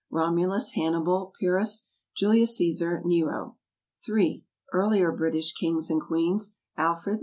_ ROMULUS. HANNIBAL. PYRRHUS. JULIUS CÆSAR. NERO. III. Earlier British Kings and Queens. ALFRED.